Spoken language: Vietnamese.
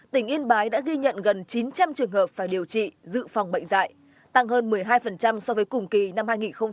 tỉnh yên bái đã ghi nhận gần chín trăm linh trường hợp phải điều trị dự phòng bệnh dạy tăng hơn một mươi hai so với cùng kỳ năm hai nghìn một mươi tám